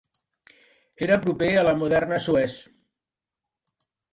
Era proper a la moderna Suez.